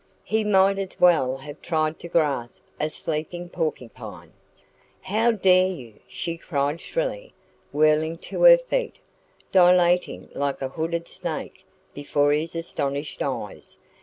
He might as well have tried to grasp a sleeping porcupine. "How dare you?" she cried shrilly, whirling to her feet, dilating like a hooded snake before his astonished eyes.